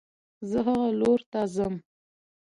زه هغه لور ته ځم